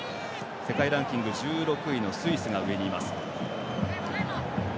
世界ランキング１６位のスイスが上にいます。